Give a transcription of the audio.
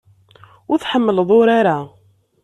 Ur tḥemmleḍ urar-a.